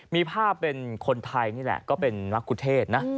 มีภาพเป็นคนไทยนี่แหละก็เป็นนักกุเทศนะ